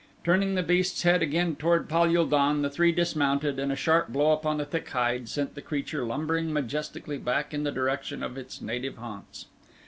Turning the beast's head again toward Pal ul don the three dismounted and a sharp blow upon the thick hide sent the creature lumbering majestically back in the direction of its native haunts.